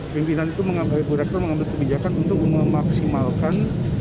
keimpinan itu mengambil kebijakan untuk memaksimalkan